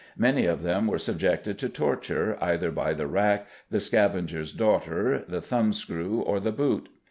Many of them were subjected to torture either by the rack, the "Scavenger's Daughter," the thumbscrew, or the boot.